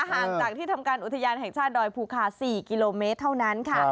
ห่างจากที่ทำการอุทยานแห่งชาติดอยภูคา๔กิโลเมตรเท่านั้นค่ะ